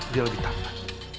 dia lebih tampan